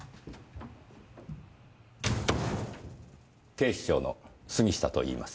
警視庁の杉下と言います。